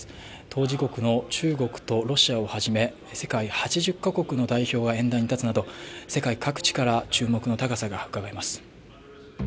当事国の中国とロシアをはじめ世界８０カ国の代表が演壇に立つなど、世界各地から注目の高さがうかがえます。